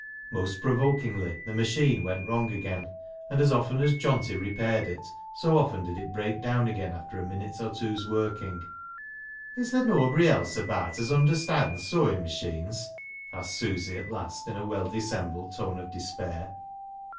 Most provokingly the machine went wrong again, and as often as Johnty repaired it, so often did it break down again after a minute or two's working. " Is ther' noabry else abaat as understands sewing machines ?" asked Susy at last in a well dissembled tone of despair.